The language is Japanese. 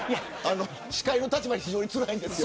司会の立場が非常につらいです。